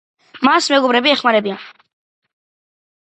მას მეგობრები ეხმარებიან.